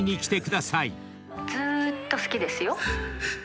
「ずーっと好きですよ」